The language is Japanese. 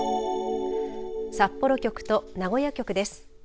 札幌局と名古屋局です。